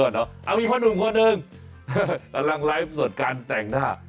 เอ้ามีคนหนึ่งตอนนั้นไลฟ์สดการแต่งหน้า